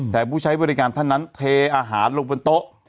แต่ผู้ใช้บริการท่านนั้นเทอาหารลงบนโต๊ะ